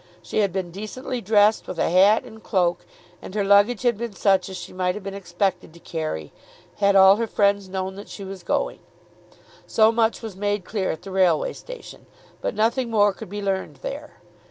She had been decently dressed, with a hat and cloak, and her luggage had been such as she might have been expected to carry, had all her friends known that she was going. So much was made clear at the railway station, but nothing more could be learned there.